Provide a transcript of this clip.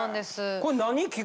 これ何？